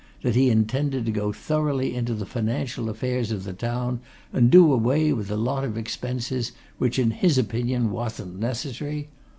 that he intended to go thoroughly into the financial affairs of the town, and do away with a lot of expenses which in his opinion wasn't necessary?